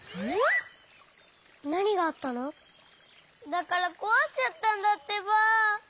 だからこわしちゃったんだってば。